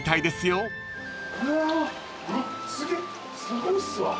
すごいっすわ。